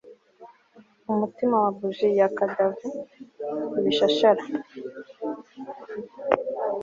umutima wa buji ya cadaver ibishashara